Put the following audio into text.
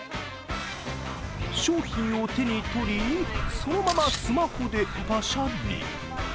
商品を手に取り、そのままスマホでパシャリ。